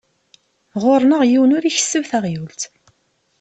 Ɣur-neɣ yiwen ur ikesseb taɣyult.